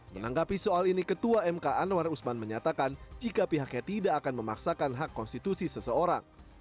menanggapi soal ini ketua mk anwar usman menyatakan jika pihaknya tidak akan memaksakan hak konstitusi seseorang